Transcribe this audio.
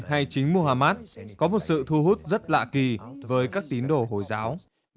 hay chính mohamad có một sự thu hút rất lạ kỳ với các tín đồ hồi giáo